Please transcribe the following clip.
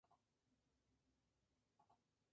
Ahora sí, y me alegra porque se recupera esta subcultura.